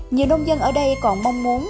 nhiều nông dân ở đây còn mong muốn